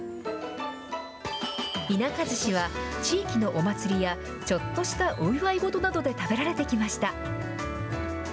田舎ずしは地域のお祭りや、ちょっとしたお祝い事などで食べられてきました。